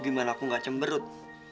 gimana aku nggak cemberut